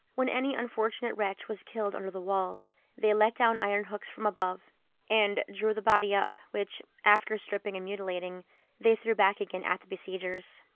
When any unfortunate wretch was killed under the walls, they let down iron hooks from above, and drew the body up, which, after stripping and mutilating, they threw back again at the besiegers.